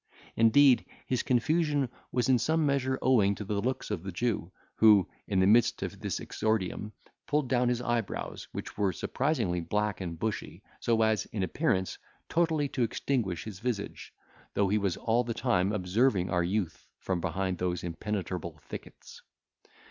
Indeed, his confusion was in some measure owing to the looks of the Jew, who, in the midst of this exordium, pulled down his eyebrows, which were surprisingly black and bushy, so as, in appearance, totally to extinguish his visage, though he was all the time observing our youth from behind those almost impenetrable thickets.